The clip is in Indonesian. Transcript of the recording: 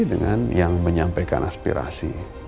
dengan yang menyampaikan aspirasi